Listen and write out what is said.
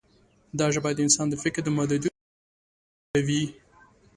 دا ژبه د انسان د فکر د محدودیتونو سره کار کوي.